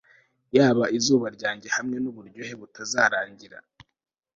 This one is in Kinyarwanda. Yaba izuba ryanjye hamwe nuburyohe butazarangira